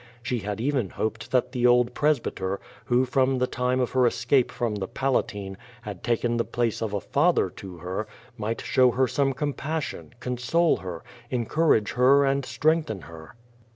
She had even hoped that the old pres byter, who from the time of her escape from the Palatine, had taken the place of a father to her, might show her some com passion, console her, encourage her and strengthen her.